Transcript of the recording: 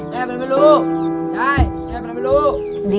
หมายได้